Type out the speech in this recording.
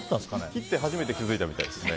切って初めて気づいたみたいですね。